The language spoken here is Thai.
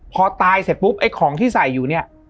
พอตายเสร็จปุ๊บไอ้ของที่ใส่อยู่เนี่ย